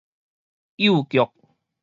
幼腳